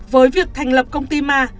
với việc thành lập công ty ma